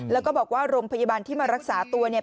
แล้วก็บอกว่าโรงพยาบาลที่มารักษาตัวเนี่ย